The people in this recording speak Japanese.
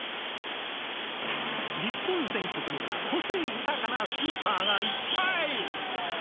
日本全国には個性豊かなスーパーがいっぱい。